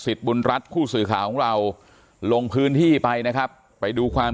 บุญรัฐผู้สื่อข่าวของเราลงพื้นที่ไปนะครับไปดูความ